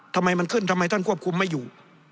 ทำไมมันขึ้นทำไมท่านควบคุมไม่อยู่